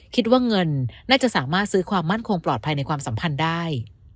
คิดว่าเงินน่าจะสามารถซื้อความมั่นคงปลอดภัยในความสัมพันธ์ได้